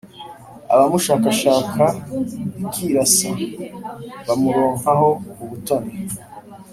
abamushakashaka rikirasa, bamuronkaho ubutoni.